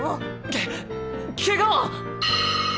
ケケガは！？